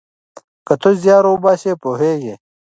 که ته زیار وباسې پوهیږې.